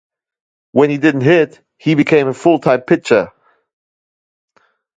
When he didn't hit, he became a full-time pitcher.